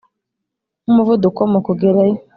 nkumuvuduko mukugerayo,